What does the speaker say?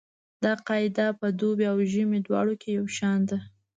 دا قاعده په دوبي او ژمي دواړو کې یو شان ده